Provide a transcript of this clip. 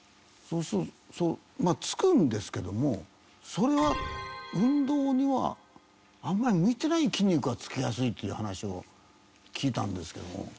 そうするとつくんですけどもそれは運動にはあんまり向いてない筋肉がつきやすいっていう話を聞いたんですけども。